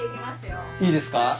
いいですか？